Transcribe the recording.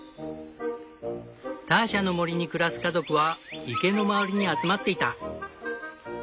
ターシャの森に暮らす家族は池の周りに集まっていた。